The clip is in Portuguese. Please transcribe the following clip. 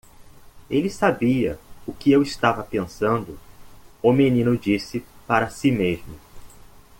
"Ele sabia o que eu estava pensando?" o menino disse para si mesmo.